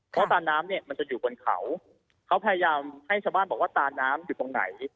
เพราะตาน้ำเนี่ยมันจะอยู่บนเขาเขาพยายามให้ชาวบ้านบอกว่าตาน้ำอยู่ตรงไหน